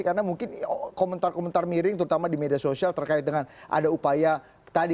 karena mungkin komentar komentar miring terutama di media sosial terkait dengan ada upaya tadi